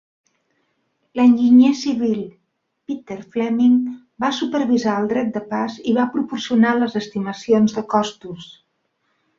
L'enginyer civil Peter Fleming va supervisar el dret de pas i va proporcionar les estimacions de costos.